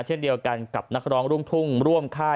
เช่นเดียวกันกับนักร้องรุ่งทุ่งร่วมค่าย